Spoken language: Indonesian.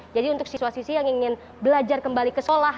jadi untuk siswa sisi yang ingin belajar kembali ke sekolah